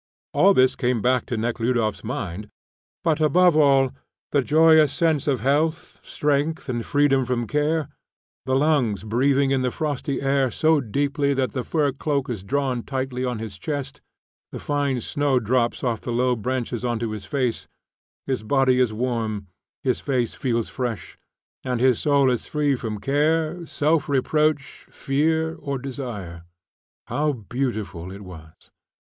All this came back to Nekhludoff's mind; but, above all, the joyous sense of health, strength, and freedom from care: the lungs breathing in the frosty air so deeply that the fur cloak is drawn tightly on his chest, the fine snow drops off the low branches on to his face, his body is warm, his face feels fresh, and his soul is free from care, self reproach, fear, or desire. How beautiful it was.